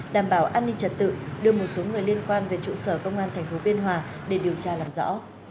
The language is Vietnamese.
đảm bảo an ninh trật tự đưa một số người liên quan về trụ sở công an tp biên hòa để điều tra làm rõ